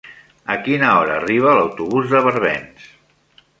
A quina hora arriba l'autobús de Barbens?